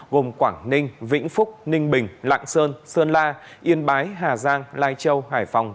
gồm quảng ninh vĩnh phúc ninh bình lạng sơn sơn la yên bái hà giang lai châu hải phòng